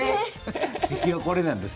敵はこれなんです。